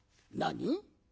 何？